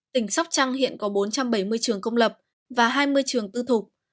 tỉnh sóc trăng hiện có bốn trăm bảy mươi trường công lập và hai mươi trường tư thục